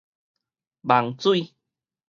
望水